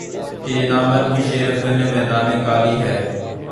کہ یہ نامرد بھی شیر افگنِ میدانِ قالی ہے